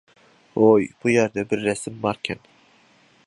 -ھوي، بۇ يەردە بىر رەسىم باركەن.